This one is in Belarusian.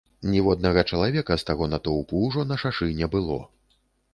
Ніводнага чалавека з таго натоўпу ўжо на шашы не было.